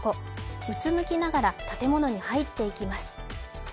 うつむきながら建物に入っていきます。